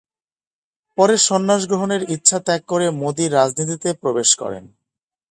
পরে সন্ন্যাস গ্রহণের ইচ্ছা ত্যাগ করে মোদী রাজনীতিতে প্রবেশ করেন।